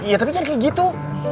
iya tapi kan kayak gitu